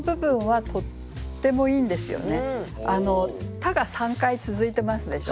「た」が３回続いてますでしょう？